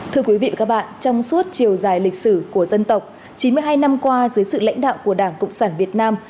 thưa quý vị và các bạn trong suốt chiều dài lịch sử của dân tộc chín mươi hai năm qua dưới sự lãnh đạo của đảng cộng sản việt nam